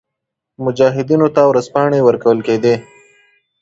مجاهدینو ته ورځپاڼې ورکول کېدې.